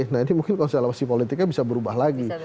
nah ini mungkin konstelasi politiknya bisa berubah lagi